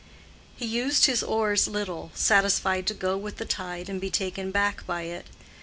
He used his oars little, satisfied to go with the tide and be taken back by it.